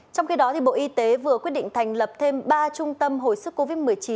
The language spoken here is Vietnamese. trong khi đó bộ y tế vừa quyết định thành lập thêm ba trung tâm hồi sức covid một mươi chín